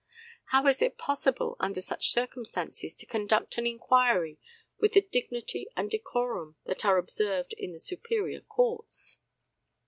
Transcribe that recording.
How is it possible under such circumstances to conduct an inquiry with the dignity and decorum that are observed in the superior courts?